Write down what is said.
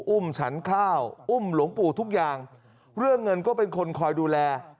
ฉันข้าวอุ้มหลวงปู่ทุกอย่างเรื่องเงินก็เป็นคนคอยดูแล